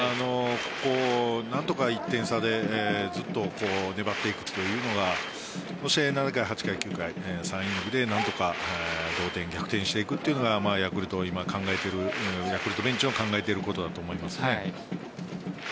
ここを何とか１点差でずっと粘っていくというのがそして７回、８回、９回、３イニングで何とか同点、逆転していくのがヤクルトベンチが考えていることだと思います。